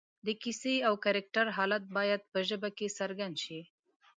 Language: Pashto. د کیسې او کرکټر حالت باید په ژبه کې څرګند شي